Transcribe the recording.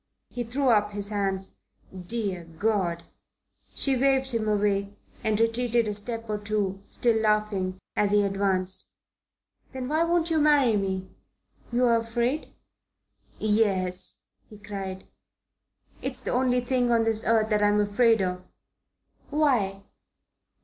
He threw up his hands "Dear God!" She waved him away and retreated a step or two, still laughing, as he advanced. "Then why won't you marry me? You're afraid." "Yes," he cried. "It's the only thing on this earth that I'm afraid of." "Why?"